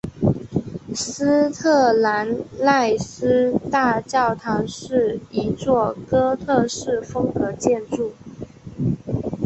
斯特兰奈斯大教堂是一座哥特式风格建筑。